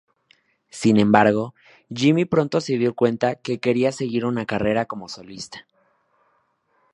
Sin embargo, Jimmy pronto se dio cuenta que quería seguir una carrera como solista.